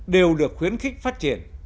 đều được khuyến khích phát triển